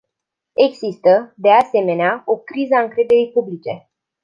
Există, de asemenea, o criză a încrederii publice.